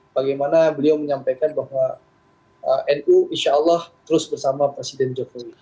bagaimana beliau menyampaikan bahwa nu insya allah terus bersama presiden jokowi